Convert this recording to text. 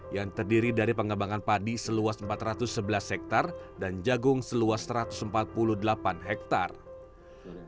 yang terdiri dari pengembangan padi seluas empat ratus sebelas hektare dan jagung seluas satu ratus empat puluh delapan hektare